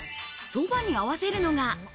そばに合わせるのが。